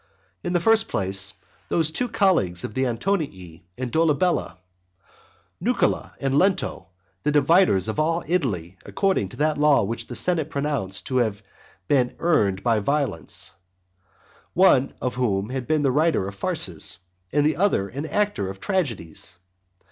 In the first place, these two colleagues of the Antonii and Dolabella, Nucula and Lento the dividers of all Italy according to that law which the senate pronounced to have been earned by violence, one of whom has been a writer of farces, and the other an actor of tragedies.